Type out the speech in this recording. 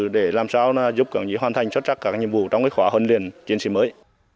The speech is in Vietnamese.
để làm sao giúp các đồng chí hoàn thành xuất sắc các nhiệm vụ trong khóa huấn luyện chiến sĩ mới